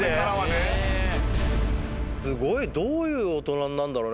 すごい。どういう大人になるんだろうね